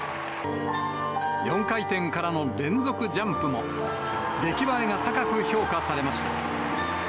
４回転からの連続ジャンプも、出来栄えが高く評価されました。